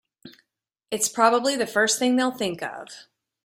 It's probably the first thing they'll think of.